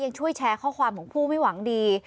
ยังช่วยแชร์ข้อความของผู้ไม่หวังดี